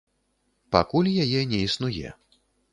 Пакуль яе не існуе.